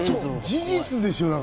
事実でしょう？